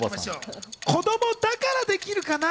子供だからできるかな？